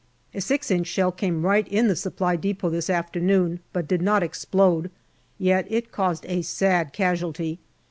A 6 inch shell came right in the Supply depot this JUNE 131 afternoon, but did not explode, yet it caused a sad casualty.